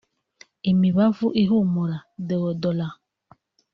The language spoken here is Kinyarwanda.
imibavu ihumura (deodorants)